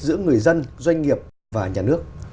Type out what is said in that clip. giữa người dân doanh nghiệp và nhà nước